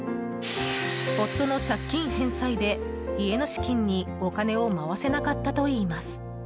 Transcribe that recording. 夫の借金返済で、家の資金にお金を回せなかったといいます。